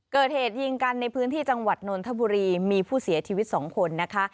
เกิดเหตุยิงกันในพื้นที่จังหวัดนนทบุรีมีผู้เสียชีวิตสองคนนะคะ